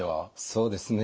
そうですね。